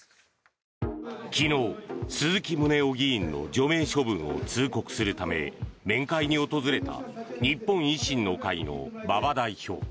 昨日、鈴木宗男議員の除名処分を通告するため面会に訪れた日本維新の会の馬場代表。